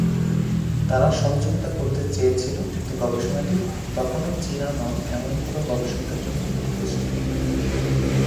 তাঁরা সহযোগিতা করতে চেয়েছিল কিন্তু গবেষণাটি তখনও চীনা নন এমন কোন গবেষকের জন্য উন্মুক্ত ছিল না।